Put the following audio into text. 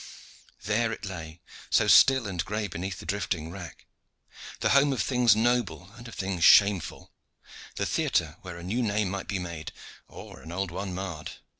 There it lay, so still and gray beneath the drifting wrack the home of things noble and of things shameful the theatre where a new name might be made or an old one marred.